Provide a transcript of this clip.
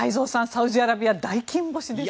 サウジアラビア、大金星です。